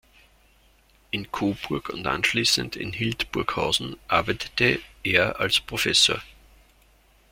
In Coburg und anschließend in Hildburghausen arbeitete er als Professor.